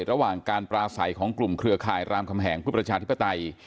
ระหว่างการปราศัยของกลุ่มเครือข่ายรามคำแหงเพื่อประชาธิปไตย